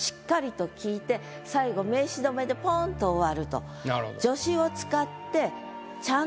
最後名詞止めでポンと終わると。